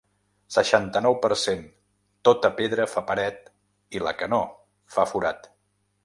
Seixanta-nou per cent Tota pedra fa paret i la que no, fa forat.